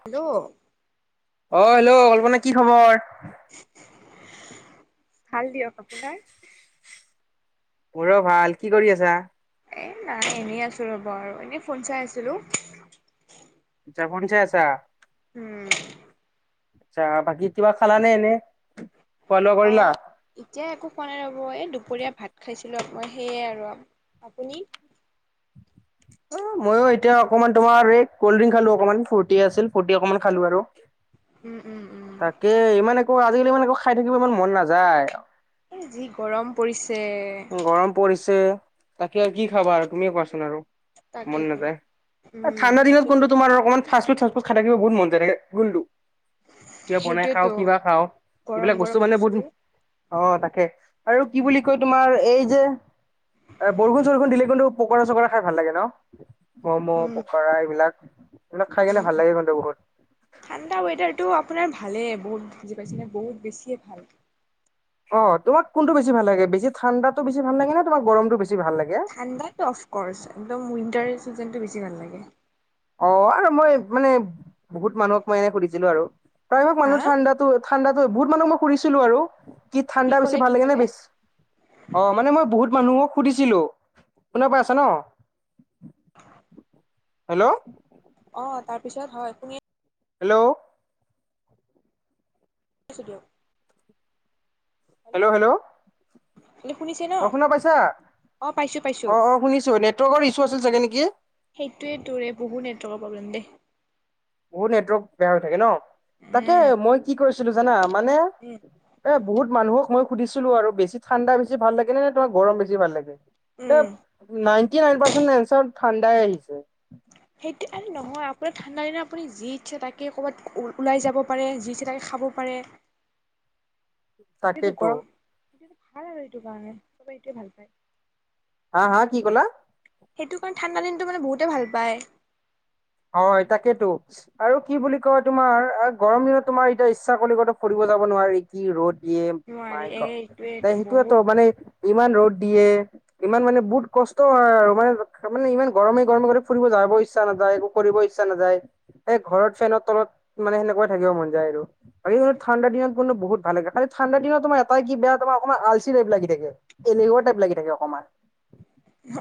Hello. অ hello Kalpana কি খবৰ। ভাল দিয়ক আপোনাৰ। মোৰো ভাল কি কৰি আছা। এই নাই এনেই আছো ৰ'ব আৰু এনেই ফোন চাই আছিলো। আচ্ছা ফোন চাই আছা। উম। আচ্ছা বাকি কিবা খাল নে এনেই। অ এতিয়া একো খোৱা নাই ৰ'ব এ দুপৰীয়া ভাত খাইছো। সেইয়াই আৰু আপুনি। অ মইও এতিয়া অকমান তোমাৰ এই কল্ড ড্ৰিংক খালো অকমান ফুৰ্তি আছিল ফুৰ্তি অকমান খালো আৰু [unintelligible] উম উম উম তাকে ইমান একো আজিকালি ইমান একো খাই থাকিব ইমান মন নাযায় এ যি গৰম পৰিছে গৰম পৰিছে তাকে আৰু কি খাবা তুমিও কোৱাচোন আৰু মন তাকেতো নাযায় উম ঠাণ্ডা দিনত তাকেতো কোনটো তোমাৰ ফাৰ্ষ্ট ফুড সাটফুদ খাই থাকিব বহুত মন যায় থাকে কিবা বনাই খাওঁ, সেইটোয়েতো কিবা খাওঁ। গৰম এইবিলাক বস্তু গৰম মানে বহুত অ তাকে আৰু কি বুলি কয় তোমাৰ এই যে এ বৰষুণ চৰষুণ দিলে কিন্তু পকৰা চকৰা খাই ভাল লাগে ন? ম'ম', উম পকাৰা এইবিলাক এইবিলাক খাই কিনে ভাল লাগে কিন্তু বহুত। ঠাণ্ডা ৱেডাৰটো আপোনাৰ ভালে বহুত বুজি পাইছে ন বহুত বেছিয়ে ভাল। অ তোমাকোনটো বেছি ভাল লাগে। ঠাণ্ডাতটো বেছি ভাল লাগে তোমাক গৰমটো বেছি? [unintelligible] ঠাণ্ডাটো অফকৰ্চ, একদম উইণ্টাৰ চিজনটো বেছি ভাল লাগে। অ আৰু মই মানে বহুত মানুহক মই এনেই সুধিছিলো আৰু। প্ৰায়ভোক হা মানুহ ঠাণ্ডাতো ঠাণ্ডাত বহুত মানুহ মই সুধিছিলো আৰু। কি ঠাণ্ডা ক'লে বেছি কি ভাল লাগে ক'লে নে বেচ অ মানে মই বহুত,। মানুহক সুধিছিলো। শুনা পাইছ ন? হেল্ল,। অ তাৰপিছত হয় তুমি। হেল্ল',। ছ দিয়ক। হেল্ল', হেল্ল', ল শুনিছে ন? অ শুনা পাইছা অ', পাইছো পাইছো। অ অ শুনিছো, নেটৱৰ্কৰ ইচু আছে চাগে নেকি। সেইটোৱেটো বহুত নেটৱৰ্কৰ প্ৰব্লেম দেই। বহুত নেটৱৰ্ক বেয়া হৈ থাকে ন। তাকে উম, মই কি কৰিছিলো জানা, মানে উম, এ বহুত মানুহক মই সুধছিলো আৰু বেছিঠাণ্ডা বেছি ভাল লাগে নে, তোৰ গৰম ভাল লাগে? এ উম। নাইনটি নাইন পাৰ্চেন্ট এনচাৰ ঠাণ্ডাই আহিব। [unintelligible] উ [unintelligible] সেইটো আৰু নহয়, আপোনাৰ ঠাণ্ডাদিনত আপুনি যি ইচ্ছে তে ক'ৰবাত ওলাই যাব পাৰে, যি ইচ্ছা তাক খাব পাৰে। এইটোতো তাকেইতো। গৰম সেইটো ভাল আৰু এইটো কাৰণে চবে এইটোৱে ভাল পায়। হা হা কি ক'লা? সেইটো কাৰণে ঠাণ্ডা দিনতটো মানে বহুতে ভাল পায়। হয় তাকেইেতটো আৰু কি বুলি কয় তোমাৰ গৰম দিনত তোমাৰ এতিয়া ইচ্ছা কৰিগত ফুৰিব? ৰদ দিয়ে নোৱাৰি এ এইটোৱেটো বহুত সেইটোৱেটো মানে [unintelligible] দিয়ে, ইমান মানে বহুত কষ্ট হয় আৰু মানে মানে ইমান গৰমে গৰমে গ ফুৰিব যাব ইচ্ছা নাযায়। কৰিব ইচ্ছা নাযায়। এ ঘৰত ফেনৰ তলত মানে সেনেকুৱাই থাকিব মন যায় আৰু। আৰু ঠাণ্ডা দিনতবুলে বহুত [unintelligible] ভাল লাগে। ঠাণ্ডা দিনত তোমাৰ এটা কি বেয়া তাৰ অ আলচি টাইপ লাগি থাকে, এলেশুৱা টাইপ লাগি থাকে অকমান।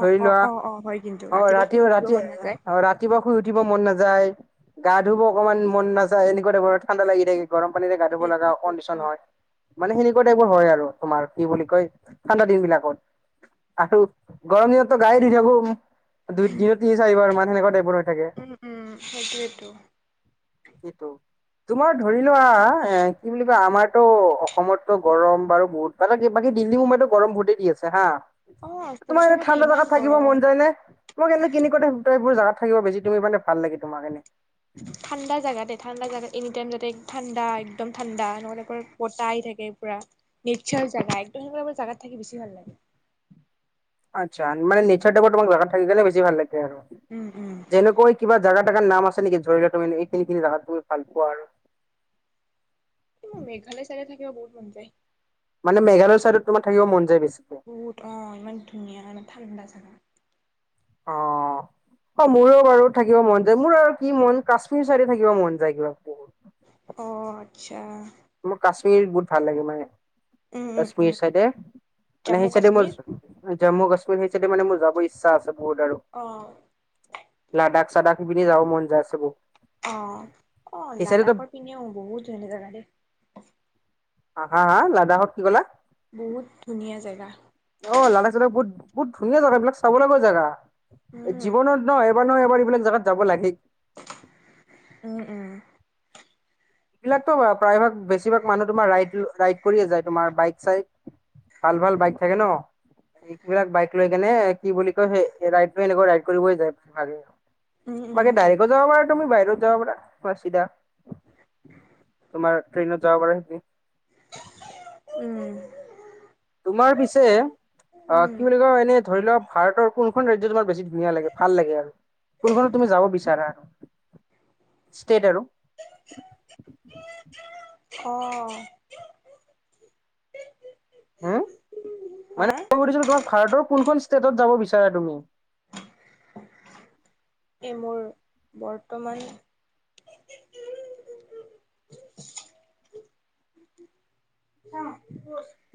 অ ধৰি অ লোৱা অ অ হয় কিন্তু অ ৰাতিপুৱা ৰাতি শুই উঠিব ৰাতি মন নাযায়। অ ৰাতিপুৱা শুই উঠিব মন নাযায়, গা ধুব অকনমান মন নাযায়, এনেকুৱা ধৰণৰ ঠাণ্ডা লাগি থাকে। গৰম পানীৰে গা ধুব লগা সেইটোৱেটো কণ্ডিচন অ', হয়। মানে কেনেকুৱা এইবোৰ হয় আৰু তোমাৰ কি বুলি কয় ঠাণ্ডা দিন বিলাকত। আৰু গৰম দিনতো গায়ে ধুই থাকো। দুই দিনৰ তিনি চাৰিবাৰ মানে সেনেকা টাইপৰ। থাকে উম উম সেইটোৱেটো। সেইটো। তোমাৰ ধৰি লোৱা এ কি বুলি কয় আমাৰ- ো অসমতো গৰম বাৰু বহুত মানে বাকী দিল্লী মো মাইতো গৰম বহুতেই দি আছে হা অ', তোমাৰ এনে চবতে ঠাণ্ডা ইমান জোগাত থাকিব গৰম মন যায় নে? তোমাক এনে কিন ক ত এইবোৰ জাগাত থাকিব বেছি তুমি মানে ভাল লাগে তোমাৰ কাৰণে? ঠাণ্ডা জাগা দেই ঠাণ্ডা জাগা। এনি টাইম যাতে ঠাণ্ডা, একদম ঠাণ্ডা, নহ'লে পৰা পতাই থাকে পুৰা নেচাৰ জেগা। তেনেকোৱা মোৰ জাগাত থাকি বেছি ভাল লাগে। আচ্ছা মানে নেচাৰ টাইপত তোমাক জাগাত থাকি কিনে বেছি ভাল লাগে আৰু উম উম। যেনেকৈ কিবা জাগাত নাম আছে নেকি ধৰিলোৱা এইখিনিখিনি জাগা ভাল পোৱা আৰু। মোৰ মেঘালয় চাইতে থাকিব বহুত মন যায়। মানে মেঘালয় ছাইডত তোমাৰ থাকিব মন যায় বেছি। বহুত অ ইমান ধুনীয়া মানে ঠাণ্ডা জাগা। অ। অ মোৰো বাৰু থাকিব মন যায় মোৰ আৰু কি মন কাশ্মীৰ চাইডে থাকিব মন যায় কিবা বহুত। অ আচ্ছা। মোৰ কাশ্মীৰ বহুত ভাল লাগে মানে। উম উম উম কাশ্মীৰ চাইডে মানে জম্মু সেই চাইডে বছ কাশ্মীৰ। জম্মু কাশ্মীৰ হেইচাইডে মানে মোৰ যাব ইচ্ছা আছে বহুত আৰু অ'। লাডাখ চাডাখ। সেই পিনে যাব মন যায় আছে বহু অহ অ লাডাখৰ পিনিও বহুত ধুনীয়া জাগাডেই। হা হা লাদাখক কি ক'লা? বহুত ধুনীয়া জেগা। অ লাডাখ চাডাখ বহুত বহুত ধুনীয়া জাগা বিলাক চাব লগা জাগা এই উম। জীৱনত ন। নয় এইবাৰ এইবিলাক জাগাত যাব লাগেই। উম উম। এইবিলাকতো প্ৰায়ভাগ বেছিভাগ মানুহ তোমাৰ ৰাই ৰাইড কৰিয়ে যায় তোমাৰ বাইক চাইক। ভাল ভাল বাইক থাকে ন। এইবিলাক বাইক লৈ কেনে কি বুলি কয় সেই ৰাইডে এনেকুৱা ৰাইড কৰিবই যায় ভাগে ভাগে উম উম তোমালোকে ডাইৰেকো তাকেতো যাব পাৰা তুমি বাইকতো যাব পাৰা পুৰা চিধা। তোমাৰ ট্ৰেইনত যাব পাৰা সেতি। উম। অ উম কি বুলি কয় এনে ধৰি লওঁক ভাৰতৰ কোনখন ৰাজ্য তোমাৰ বেছি ধুনীয়া লাগে ভাল লাগে আৰু। কোনখনত তুমি যাব বিচাৰা আৰু ষ্টেট আৰু। অ উম হা মানেই সুধিছিলোঁ তোমাৰ ভাৰতৰ কোনখন ষ্টেটত যাব বিচাৰা তুমি। [inaudible] এই মোৰ বৰ্তমান।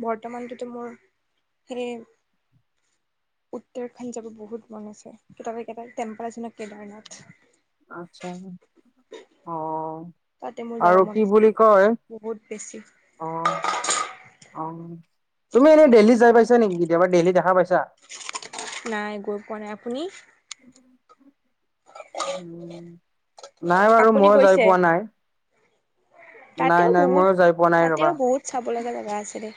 বৰ্তমানটোতো মোৰ সেই। উত্তৰাখণ্ড যাব বহুত মন আছে কেটাবা কেইটাপ টেম্পাল আছে নহয় কেদাৰনাথ। আছা অ। তাতে মোৰ যাব আৰু মন কি আছে বুলি বহুত কয় বহুত বেছি অ অ তুমি এনেই দেহল্লি যাই পাইছ নেকি কেতিয়াবা দেহল্লি দেখা পাইছা। নাই গৈ পোৱা নাই আপুনি। নাই বাৰু আপুনি ময়ো যাই গৈছে পোৱা নাই। নাই তাতেও নাই বহুত ময়ো যাই পোৱা নাই তাতেও ৰবা। বহুত চাব লগা জেগা আছিলে।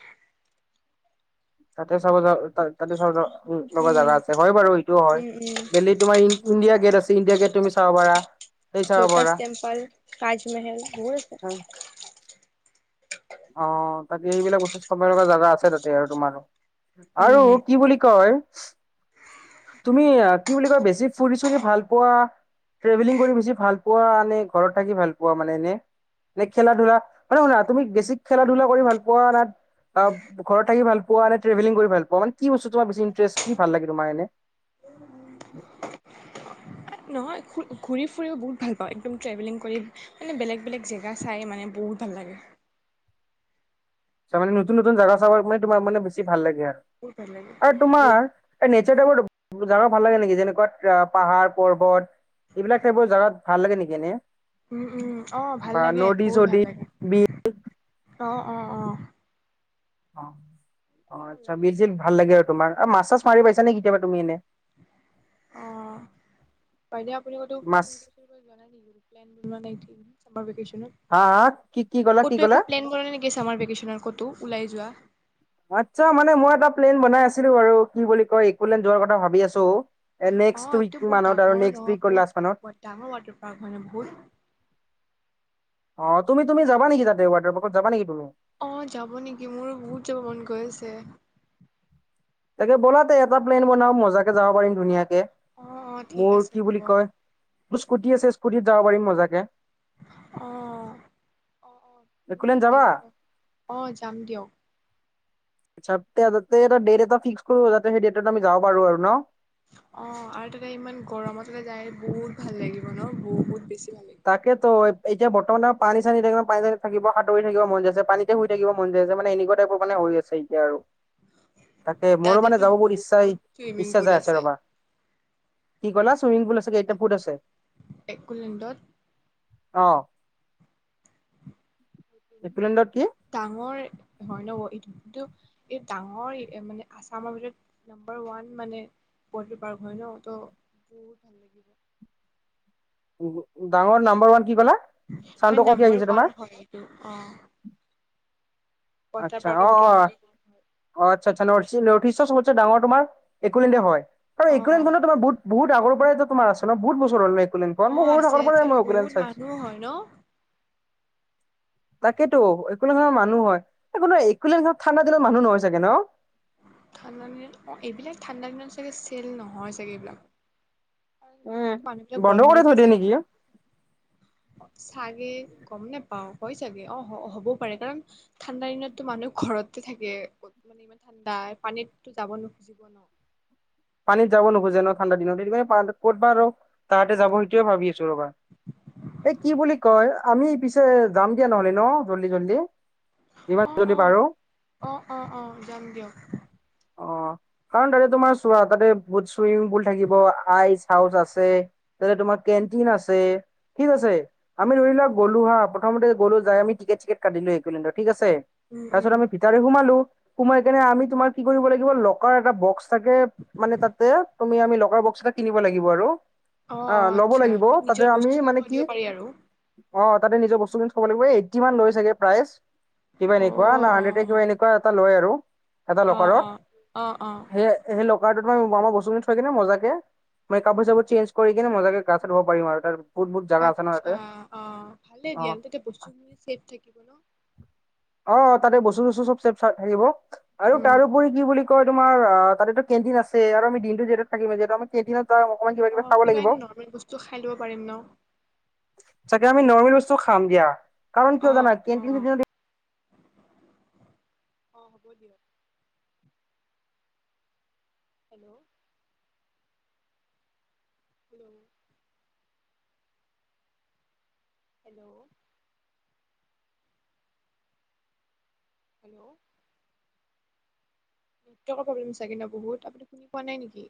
তাতে চাব যাৱ তাতে চাব যাৱ উ লগৰ উম জাগা আছে হয় বাৰু সেইটোও হয় উম উম দেল্লিত তোমাৰ ইণ্ডিয়া। গেট আছে ইণ্ডিয়া গেট তুমি চাব পাৰা। সেই চাব লটাছ পাৰা টেম্পাল তাজমহল বহুত আছে। অ তাতে এইবিলাক ওচৰত চব লগা জাগা আছে তাতে আৰু তোমাৰোঁ। আৰু উম কি বুলি কয়। তুমি কি বুলি কয় বেছি ফুৰি চুৰি ভাল পোৱা। ট্ৰেভেলিং কৰি বেছি ভাল পোৱা নে ঘৰত থাকি ভাল পোৱা মানে এনে? নে খেলা -ধূলা মানে শুনা তুমি বেছিক খেলা- ধূলা কৰি ভাল পোৱা না তব ঘৰত থাকি ভাল পোৱা নে ট্ৰভেলিং কৰি ভাল পোৱা মানে কি বস্তু তোমাৰ বেছি ইণ্টাৰেষ্ট কি ভাল লাগে তোমাৰ এনে? [inaudible] নহয় ঘূৰি -ফুৰিও বহুত ভাল পাওঁ একদম ট্ৰেভেলিং কৰি মানে বেলেগ- বেলেগ জেগা চাই মানে বহুত ভাল লাগে। চ' মানে নতুন- নতুন জাগা চাব তোমাৰ মানে বেছি ভাল লাগে আৰ। বহুত ভাল লাগে। অহ, বহুত। তোমাৰ এ নেচাৰটা বত [unintelligible] জাগাটো ভাল লাগে নেকি যেনেকুৱা পাহাৰ- পৰ্বত এইবিলাক টাইপৰ জাগত ভাল লাগে নেকি এনে? উম-উম অহ ভাল বা লাগে নদী বহুত চদী ভাল লাগে। বিল অ', - অ', - অ', অ', অহ, ভাল আচ্ছা লাগে বিৰ ছীল সেইবিলাক ভাল জেগাই লাগে আৰু তোমাৰ মাছ -চাছ মাৰি পাইছা নে কেতিয়াবা তুমি এনে? অহ, বাইদেউ আপুনি কতো মাছ ফুৰিব চুৰিব যোৱা নাই নেকি প্লেন বনোৱা নাইটো? চামাৰ ভেকেশনত হা হা কি কি ক'লা কি ক'লা ক'তো প্লেন কৰে নাই নেকি চামাৰ ভেকেশন কতো ওলাই যোৱা আচ্ছা মানে মই এটা প্লেন বনাই আছিলো আৰু কি বুলি কয় একো ললেন যোৱাৰ কথা ভাবি আছো। নেক্সট অঁ উইক এইটো বহুত মানত আৰু ডাঙৰ ন নেক্সট উইকৰ লাষ্ট মানত বহুত ডাঙৰ ৱাটাৰ পাৰ্ক হয় ন বহুত [unintelligible] অঁ তুমি তুমি যা তাতে ৱাটাৰ পাৰ্ক যাবা নেকি তুমি অ যাব নেকি মোৰো বহুত যাব মন গৈ আছে তাকে ব'লা তে এটা প্লেন বনাও মজাকে যাব পাৰিম ধুনীয়াকে অ অ ঠিক মোৰ আছে কি হ'ব। বুলি কয় তোৰ স্কুটি আছে স্কুটিত যাব পাৰিম মজাকে। অহ অহ - অহ বহুত একোলেণ্ড ভাল যাবা? লাগিব ন' অহ যাম দিয়ক। যাতে [unintelligible] দেট এটা ফিক্স কৰো যাতে সেই ডেটত আমি যাব পাৰো আৰু ন' অহ, আৰু তাতে ইমান গৰমত তাতে যায় বহুত ভাল লাগিব ন' বহুত বেছি। ভাল লাগিব। তাকেতো এতিয়া বৰ্তমানে পানী- চানী থাকিব, পানী - চানী থাকিব সাঁতুৰিব মন যাই আছে পানীতে শুই থাকিব মন যায় আছে মানে এনেকুৱা টাইপৰ মানে হৈ চেতিয়া আৰু তাকে মোৰো মানে তাতেতো যাব বহু বহুত ইচ্ছাই- চুইমিং ইচ্ছা পুল যাই আছে ৰবা। কি ক'লা চুইমিং পুল আছে কেইটা এইটা ফুট আছে- একলেণ্ডত অহ ডাঙৰ হয় ন' এইটো কিন্তু। এই ডাঙৰ মানে আছামৰ ভিতৰত নাম্বৰ ওৱান মানে পল্ট্ৰি পাৰ্ক হয় ন' ত' বহুত ভাল লাগিব। ডাঙৰ নাম্বৰ ওৱান কি ক'লা? মানে চাউণ্ডটো কমকে নম্বৰ আহিছে তোমাৰ ওৱান হয় এইটো অহ। আচ্ছা অ'- অ'- অ' আচ্ছা -আচ্ছা নৰ্থ ইষ্ট- নৰ্থ ইষ্টৰ চবতছে ডাঙৰ তোমাৰ একোলেন্দে হয় আৰু অ' অ' একোলেদনখন তোমাৰ বহুত - বহুত আগৰ পৰাই তোমাৰ আছে ন ' বহুত বছৰ হ'ল একলেণ্ডখন মই অহ, সৰু আছে থকাৰ পৰাই -আছে মই একলেণ্ড বহুত মানুহ চাইছিলো হয় ন' [inaudible] তাকেতো একলেণ্ডখনত মানুহ হয়। একোলেনদখনত ঠাণ্ডা দিনত মানুহ নহয় ছাগে ন'? ঠাণ্ডা দিনত অ', এইবিলাক ঠাণ্ডা দিনত চাগে চেল নহয় চাগে এইবিলাক। উম মানুহ বিলাক বন্ধ গৰম কৰি দিনতহে থৈ দিয়ে যায় নেকি ন', চা কি গ'ম নোপাও হয় চাগে অহ হব-হ'বও পাৰে কাৰণ ঠাণ্ডা দিনততো মানুহ ঘৰতে থাকে। কত মানে ইমান ঠাণ্ডা পানীততো যাব নোখুজিব ন', পানিত যাব নোখোজে ন' ঠাণ্ডা দিনত এইটো কাৰণে কতবা ৰও তাহাতে যাব সেইটোৱে ভাবি আছো ৰবা এই কি বুলি কয় আমি পিছে যাম দিয়া নহলে ন' জল্দি- জল্দি ইবাৰ অ যদি অ পাৰো। অ অ অ যাম দিয়ক অহ, কাৰণ তাতে তোমাৰ টোহাৰ তাতে বহুত চুইমিং পুল থাকিব আইচ- হাউচ আছে তাতে তোমাৰ কেনটিন আছে ঠিক আছে আমি ধৰি লোৱা গ'লো হা প্ৰথমতে গলো যাই আমি টিকেট- চিকেট কাটিলো একুলেন্দত ঠিক আছে উম তাৰ পিছত উম আমি ভিতাৰে সোমালো। সোমাই কেনে আমি তোমাৰ কি কৰিব লাগিব লকাৰ এটা বক্স থাকে মানে তাতে তুমি আমি লকাৰ বক্স এটা কিনিব লাগিব আৰু। অ অ অঁ ল'ব আচ্ছা লাগিব মানে তাতে নিজৰ আমি বস্তু খিনি মানে থৈ কি দিব পাৰি আৰু অঁ তাতে নিজৰ বস্তুখিনি থব লাগিব এ এইটটিমান লৈ চাগে প্ৰাইচ, কিবা অ এনেুৱা না অ অ হান্দ্ৰেড এনেকুৱাই এটা লয় আৰু। এটা অ লকাৰৰ অ অ অ সেই হেল্লো [unintelligible] বস্তুখিন থৈ কিনে মজাকে মানে কাপো চাপো চেঞজ কৰি কিনে মজাকে গা চা ধূব পাৰিম আৰু। বহুত বহুত জাগা আছে ন তাতে আচ্ছা অ ভালে অ দিয়া তাতে বস্তুখিনি চেফ থাকিব ন। অ তাতে বস্তু চস্তু চব চেভ থাকিব আৰু উম তাৰপৰি কি বুলি কয় তোমাৰ আহ তাতেতো কেণ্টিন আছে আৰু আমি দিনটো যিহেতু থাকিম যিহেতু আমি কেণ্টিনত অকমান কিবা অ কিবি খাব কিবা লাগিব এনে নৰ্মেল বস্তু খাই লব পাৰিম ন। চাগে আমি নৰ্মেল বস্তু খাম দিয়া কাৰণ অ কিয় জানা অ কেন্টিন অ, হ'ব দিয়ক। হেল্ল', হেল্ল', হেল্ল', হেল্ল', নেটৱৰ্কৰ প্ৰব্লেম চাগে ন' বহুত? আপুনি শুনি পোৱা নাই নেকি?